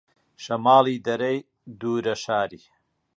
شەماڵی دەرەی دوورە شاری